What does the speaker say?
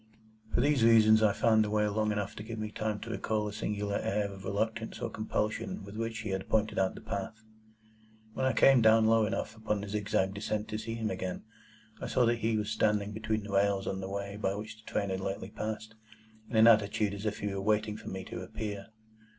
For these reasons, I found the way long enough to give me time to recall a singular air of reluctance or compulsion with which he had pointed out the path. When I came down low enough upon the zigzag descent to see him again, I saw that he was standing between the rails on the way by which the train had lately passed, in an attitude as if he were waiting for me to appear.